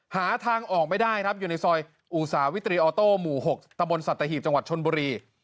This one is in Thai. หาทางออกไม่ได้ครับอยู่ในซอยอุตสาวิตรีออโต้หมู่๖ตะบนสัตหีบจังหวัดชนบุรี